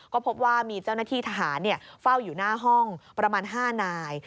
ก็พบว่ามีเจ้าหน้าที่ทหารเฝ้าอยู่หน้าห้องประมาณ๕นาย